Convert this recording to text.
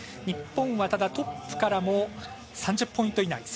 日本は、ただトップからも３０ポイント以内。